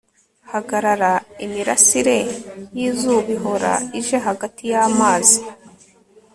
hagarara. imirasire y'izuba ihora ije hagati y'amazi